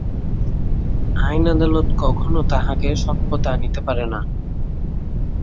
আইন-আদালত কখনও তাহাকে সৎ পথে আনিতে পারে না।